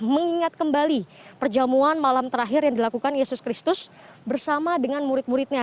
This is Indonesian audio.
mengingat kembali perjamuan malam terakhir yang dilakukan yesus kristus bersama dengan murid muridnya